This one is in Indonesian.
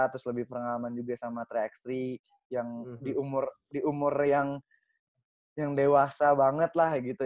terus lebih pengalaman juga sama tiga x tiga yang di umur yang dewasa banget lah gitu